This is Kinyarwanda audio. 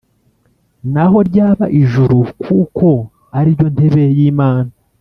naho ryaba ijuru kuko ari ryo ntebe y’Imana